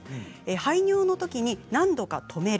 排尿のときに、何度か止める。